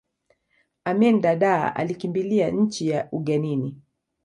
amin dadaa alikimbilia nchi za ugenini